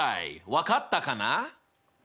分かったかな？